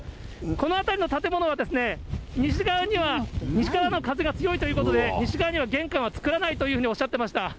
この辺りの建物は、西側の風が強いということで、西側には玄関は作らないというふうにおっしゃってました。